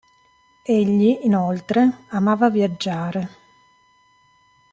Egli, inoltre, amava viaggiare.